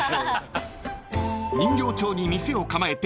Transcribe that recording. ［人形町に店を構えて］